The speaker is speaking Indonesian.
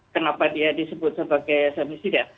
kenapa dia disebut sebagai samisida